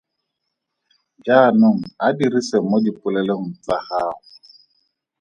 Jaanong a dirise mo dipolelong tsa gago.